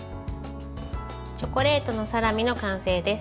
チョコレートのサラミの完成です。